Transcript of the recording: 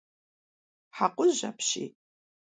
Хьэкъужь апщий!